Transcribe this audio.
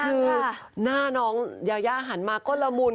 คือหน้าน้องยายาหันมาก็ละมุน